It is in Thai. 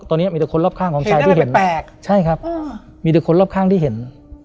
ตอนนี้มีแต่คนรอบข้างของชายที่เห็นแตกใช่ครับมีแต่คนรอบข้างที่เห็น